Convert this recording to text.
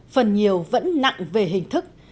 phần nhiều vẫn nặng về hình thức